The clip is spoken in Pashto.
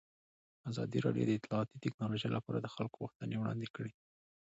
ازادي راډیو د اطلاعاتی تکنالوژي لپاره د خلکو غوښتنې وړاندې کړي.